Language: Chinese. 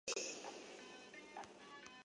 车站的名称来附近的奥特伊门。